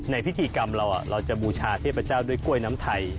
พิธีกรรมเราเราจะบูชาเทพเจ้าด้วยกล้วยน้ำไทย